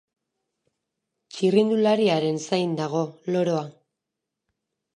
Txirrindulariaren zain dago loroa.